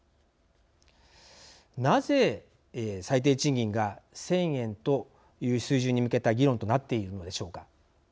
なぜ最低賃金が１，０００円という水準に向けた議論となっているのでしょうか。